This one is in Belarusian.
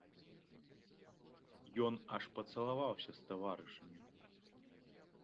Ён аж пацалаваўся з таварышамі.